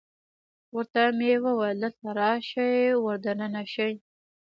ورته مې وویل: دلته راشئ، ور دننه شئ.